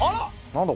何だ？